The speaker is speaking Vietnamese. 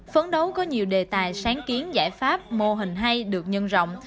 phấn đấu có nhiều đề tài sáng kiến giải pháp mô hình hay được nhân rộng